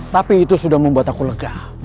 tapi itu sudah membuat aku lega